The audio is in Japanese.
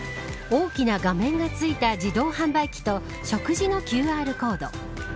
大きな画面がついた自動販売機と食事のＱＲコード。